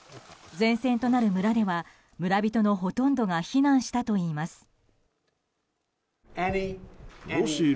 前線となる村では村人のほとんどが避難したといいます。